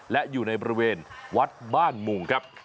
และอยู่ในบริเวณวัดบ้านมุงครับ